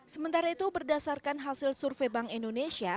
sementara itu berdasarkan hasil survei bank indonesia